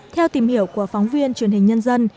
theo tìm hiểu của phóng viên truyền hình nhân dân